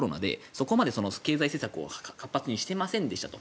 そこまで経済政策を活発にしていなかったと。